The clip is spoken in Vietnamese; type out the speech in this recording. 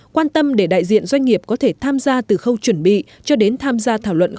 quan tâm để đại diện doanh nghiệp có thể tham gia từ khâu chuẩn bị cho đến tham gia